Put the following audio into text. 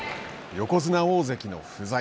横綱、大関の不在。